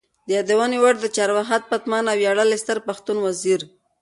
د یادونې وړ ده چې د ارواښاد پتمن او ویاړلي ستر پښتون وزیر